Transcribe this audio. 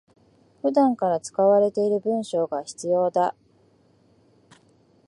普段から使われている文章が必要だ